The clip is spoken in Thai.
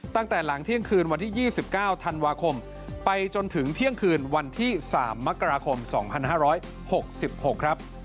ตั้งแต่หลังเที่ยงคืนวันที่๒๙ธันวาคมไปจนถึงเที่ยงคืนวันที่๓มกราคม๒๕๖๖ครับ